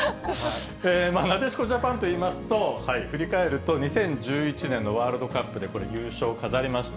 なでしこジャパンといいますと、振り返ると、２０１１年のワールドカップで、これ、優勝を飾りました。